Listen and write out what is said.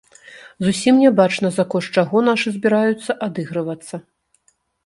Зусім не бачна за кошт чаго нашы збіраюцца адыгрывацца.